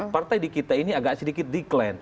partai di kita ini agak sedikit declain